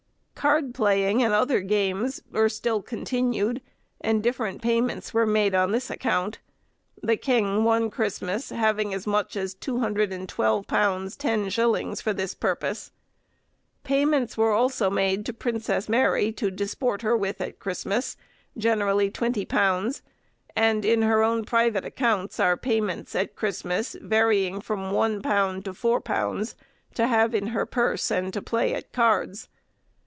Card playing and other games were still continued, and different payments were made on this account; the king, one Christmas, having as much as £212 10_s._ for this purpose. Payments were made also to Princess Mary to disport her with at Christmas, generally £20, and in her own private accounts are payments at Christmas, varying from £1 to £4, to have in her purse and to play at cards.